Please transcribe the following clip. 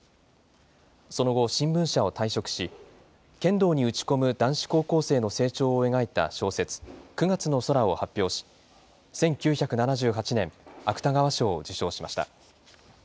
その後、新聞社を退職し、剣道に打ち込む男子高校生の成長を描いた小説、九月の空を発表し、１９７８年、芥川賞を受賞しました。